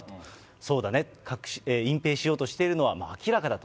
そうだね、隠ぺいしようとしているのは明らかだと。